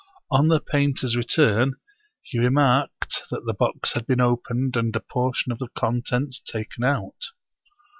On the painter's return he remarked that the box had been opened, and a portion of the contents taken out.